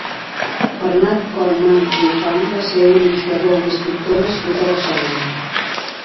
Bernat Cormand Rifà va ser un il·lustrador i escriptor nascut a Barcelona.